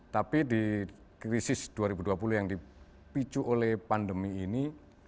tapi di krisis dua ribu dua puluh yang dipicu oleh pandemi ini